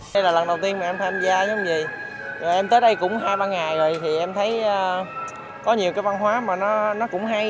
đây là lần đầu tiên mà em tham gia nhóm gì em tới đây cũng hai ba ngày rồi thì em thấy có nhiều cái văn hóa mà nó cũng hay